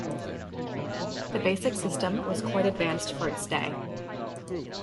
The basic system was quite advanced for its day.